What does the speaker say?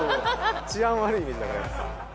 治安悪いイメージだからやっぱ。